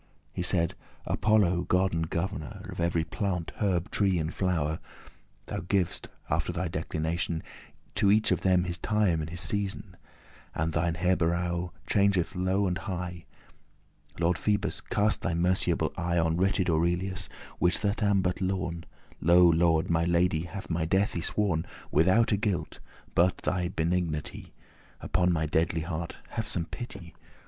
He said; "Apollo God and governour Of every plante, herbe, tree, and flower, That giv'st, after thy declination, To each of them his time and his season, As thine herberow* changeth low and high; *dwelling, situation Lord Phoebus: cast thy merciable eye On wretched Aurelius, which that am but lorn.* *undone Lo, lord, my lady hath my death y sworn, Withoute guilt, but* thy benignity *unless Upon my deadly heart have some pity.